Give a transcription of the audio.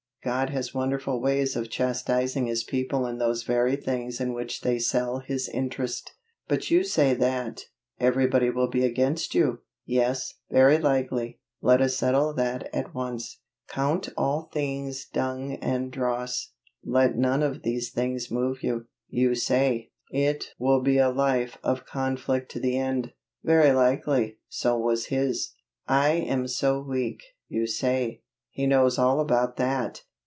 God has wonderful ways of chastising His people in those very things in which they sell His interest. But you say that "everybody will be against you!" Yes, very likely. Let us settle that at once. Count all things dung and dross. Let none of these things move you. You say, "It will be a life of conflict to the end." Very likely, so was His. "I am so weak," you say. He knows all about that.